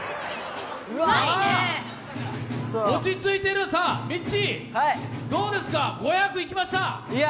落ち着いてる、さあミッチーどうですか、５００いきました。